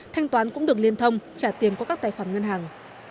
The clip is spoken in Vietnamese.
thanh toán cũng được liên thông trả tiền qua các tài khoản ngân hàng